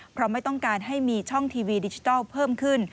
เพราะไม่ต้องการให้มีช่องทีวีดิจิทัลเพิ่มขึ้น